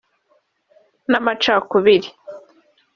n’amacakubiri